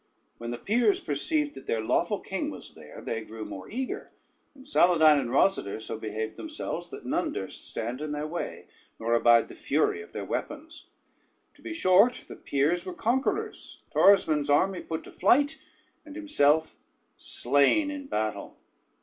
When the peers perceived that their lawful king was there, they grew more eager; and Saladyne and Rosader so behaved themselves, that none durst stand in their way, nor abide the fury of their weapons. To be short, the peers were conquerors, Torismond's army put to flight, and himself slain in battle.